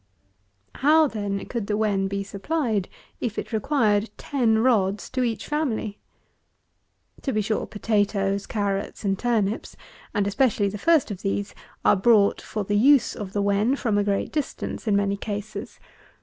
How, then, could the Wen be supplied, if it required ten rods to each family? To be sure, potatoes, carrots, and turnips, and especially the first of these, are brought, for the use of the Wen, from a great distance, in many cases.